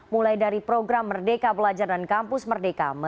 mulai dari program merdeka belajar dan kampus merdeka